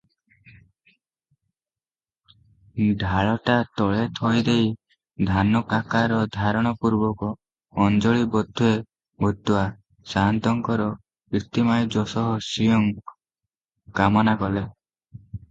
ଢାଳଟା ତଳେ ଥୋଇଦେଇ ଧନୁକାକାରଧାରଣ ପୂର୍ବକ 'ଅଞ୍ଜଳିବଧ୍ଵୋ ଭୂତ୍ଵା' ସାଆନ୍ତଙ୍କର 'କୀର୍ତ୍ତିମାୟୁର୍ଯଶଃଶ୍ରିୟଂ' କାମନା କଲେ ।